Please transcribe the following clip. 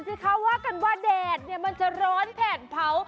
สิคะว่ากันว่าแดดเนี่ยมันจะร้อนแผ่นเผา